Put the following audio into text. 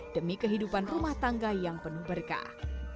demi kehidupan rumah tangga yang penuh berkah